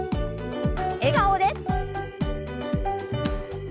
笑顔で。